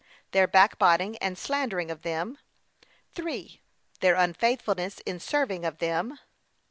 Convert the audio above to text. Their backbiting and slandering of them. (3.) Their unfaithfulness in serving of them.